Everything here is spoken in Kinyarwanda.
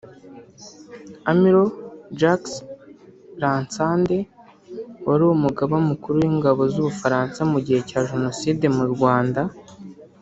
Amiral Jacques Lanxade wari umugaba mukuru w’ingabo z’Ubufaransa mu gihe cya Jenoside mu Rwanda